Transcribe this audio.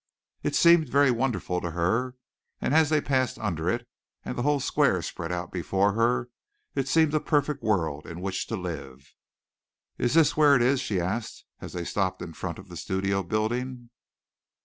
It seemed very wonderful to her, and as they passed under it, and the whole Square spread out before her, it seemed a perfect world in which to live. "Is this where it is?" she asked, as they stopped in front of the studio building.